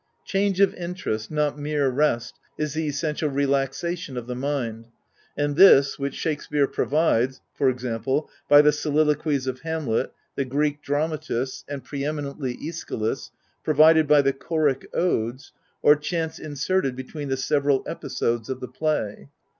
Change of interest, not mere rest, is the essential relaxation of the mind, and this, which Shakespeare provides, e,g.^ by the soliloquies of Hamlet, the Greek dramatists, and pre eminently iCschylus, provided by the Choric Odes, or chants inserted between the several episodes of the play.